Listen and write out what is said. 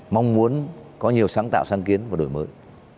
mong muốn có nhiều sáng tạo sáng kiến và đổi mới